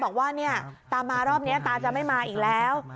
บอกว่าเนี่ยตามารอบนี้ตาจะไม่มาอีกแล้ว